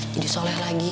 jadi soleh lagi